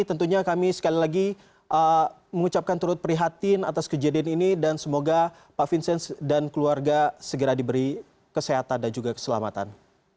tentunya kami sekali lagi mengucapkan turut prihatin atas kejadian ini dan semoga pak vincent dan keluarga segera diberi kesehatan dan juga keselamatan